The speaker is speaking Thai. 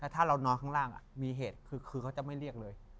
ถ้าเรานอนข้างล่างมีเหตุคือเขาจะไม่เรียกเลย